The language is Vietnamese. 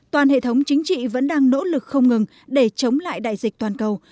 toàn hệ thống chính trị vẫn đang nỗ lực không ngừng để chống lại đại dịch toàn cầu